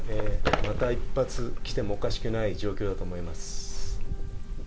また１発来てもおかしくない状況だと思います。